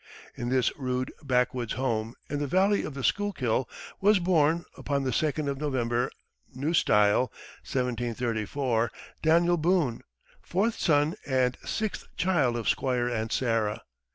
In this rude backwoods home, in the valley of the Schuylkill, was born, upon the second of November (new style), 1734, Daniel Boone, fourth son and sixth child of Squire and Sarah.